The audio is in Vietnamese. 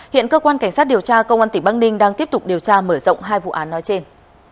hiện cơ quan cảnh sát điều tra công an tỉnh băng ninh đang tiếp tục điều tra mở rộng hai vụ án nói trên